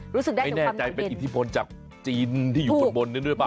ไม่แน่ใจเป็นอิทธิพลจากจีนที่อยู่ข้างบนด้วยหรือเปล่า